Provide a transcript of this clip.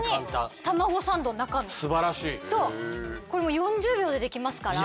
これ４０秒でできますから。